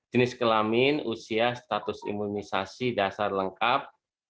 jenis kelamin usia status imunisasi dasar lengkap